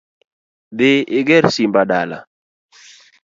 Dhi iger simba dala